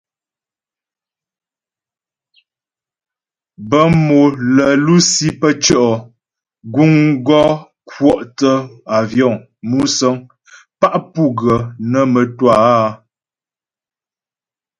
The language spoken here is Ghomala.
Bə́ mò lə́ lusi pə́ tʉɔ' guŋ gɔ kwɔ' thə́ àvyɔ̌ŋ (musə̀ŋ) pá pu gə nə́ mə́twâ áa.